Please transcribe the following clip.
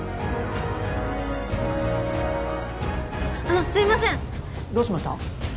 あのすいませんどうしました？